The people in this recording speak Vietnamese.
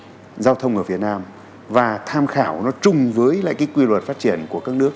tình hình tình giao thông ở việt nam và tham khảo nó chung với lại cái quy luật phát triển của các nước